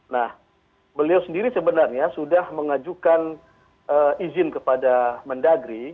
nah beliau sendiri sebenarnya sudah mengajukan izin kepada mendagri